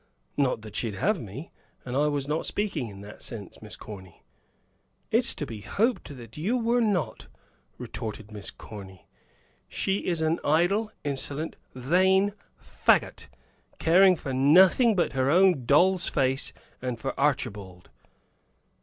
Not that she'd have me; and I was not speaking in that sense, Miss Corny." "It's to be hoped you were not," retorted Miss Corny. "She is an idle, insolent, vain fagot, caring for nothing but her own doll's face and for Archibald."